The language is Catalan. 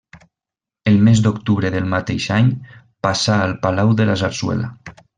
El mes d'octubre del mateix any, passà al palau de la Zarzuela.